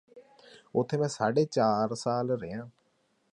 ਉਥੇ ਮੈਂ ਸਾਢੇ ਚਾਰ ਸਾਲ ਰਿਹਾ